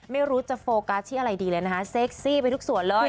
ไม่รู้จะโฟกัสที่อะไรดีเลยนะคะเซ็กซี่ไปทุกส่วนเลย